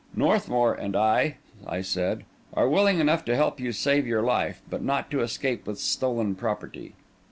"Northmour and I," I said, "are willing enough to help you to save your life, but not to escape with stolen property."